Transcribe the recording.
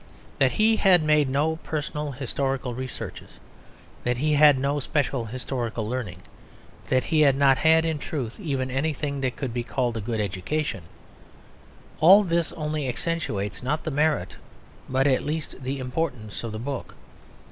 That he had made no personal historical researches, that he had no special historical learning, that he had not had, in truth, even anything that could be called a good education, all this only accentuates not the merit but at least the importance of the book.